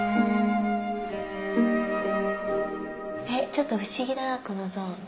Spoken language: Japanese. ちょっと不思議だなこの像。